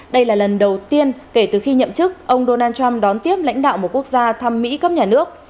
đây là lần đầu tiên kể từ khi nhậm chức ông donald trump đón tiếp lãnh đạo một quốc gia thăm mỹ cấp nhà nước